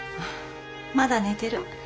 まだ寝てる。